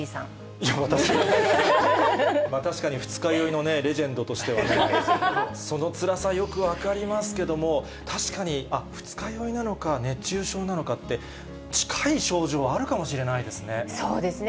私、確かに二日酔いのレジェンドとしてはね、そのつらさ、よく分かりますけども、確かに、二日酔いなのか、熱中症なのかって、近い症状あるかもしれないでそうですね。